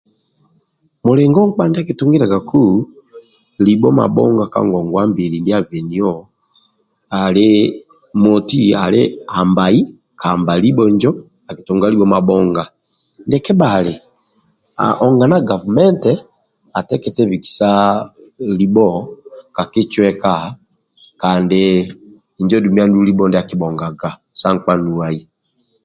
Mulingo nkpa ndia akitungiliagaku libho mabhonga ka ngongwa ndia abenio ka ngongwa mbili ali moti ali ambai amba libho injo nkpa akitunga libho mabhonga ndia kebhali ali onga na gavumenti atekete bikisa libho ka kicweka kandi injo dumbi andulu libho ndia akibhongaga sa nkpa nuwai